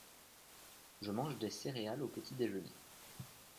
je mange des céréales au petit déjeuner.